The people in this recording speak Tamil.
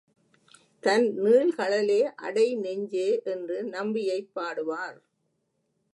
தன் நீள்கழலே அடை நெஞ்சே என்று நம்பியைப் பாடுவார்.